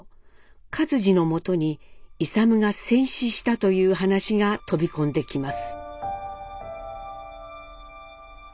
克爾のもとに勇が戦死したという話が飛び込んできます。